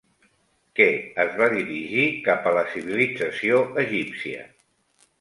Què es va dirigir cap a la civilització egípcia?